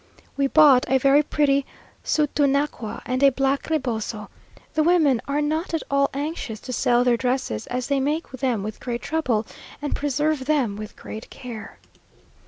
We bought a very pretty sutunacua, and a black reboso. The women were not at all anxious to sell their dresses, as they make them with great trouble, and preserve them with great care.